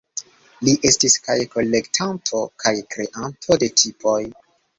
Li estis kaj kolektanto kaj kreanto de tipoj.